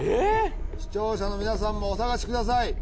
視聴者の皆さんもお探しください。